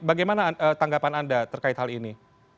bagaimana tanggapan anda terkait hal ini